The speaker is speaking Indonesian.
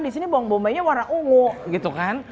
di sini bawang bombaynya warna ungu gitu kan